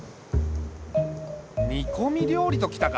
煮こみ料理と来たか。